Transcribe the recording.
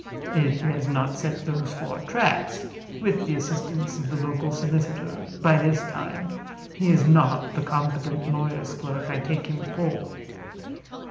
If he has not set those four traps (with the assistance of the local solicitor) by this time, he is not the competent lawyer's clerk I take him for.